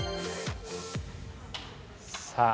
さあ